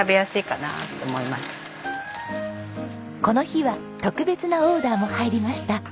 この日は特別なオーダーも入りました。